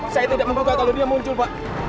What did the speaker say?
saya tidak mau ke atas lalu dia muncul pak